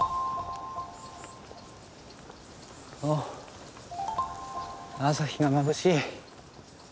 おっ朝日がまぶしい。